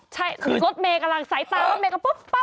ใช่รถเมย์กำลังใส่ตารถเมย์ก็ป๊บป๊บป๊บ